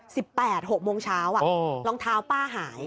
สิบแปดหกโมงเช้ารองเท้าป้าหาย